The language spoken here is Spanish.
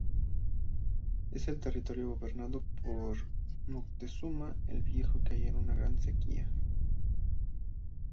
En el territorio gobernado por Moctezuma el viejo hay una grave sequía.